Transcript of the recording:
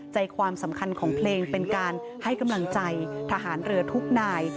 ใจความสำคัญของเพลงเป็นการให้กำลังใจทหารเรือทุกนาย